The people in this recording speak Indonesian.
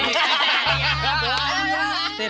udah tini kita naik raksa aja yuk